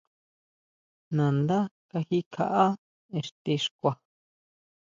Nandá kaji kjaʼá ixti xkua.